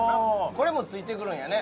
これもついてくるんやね